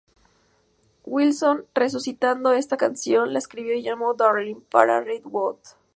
Wilson resucitando esta canción, la re-escribió y llamó "Darlin'" para Redwood.